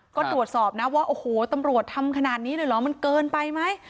ก็ตรวจสอบนะว่าโอ้โหตำรวจทำขนาดนี้เลยเหรอมันเกินไปไหม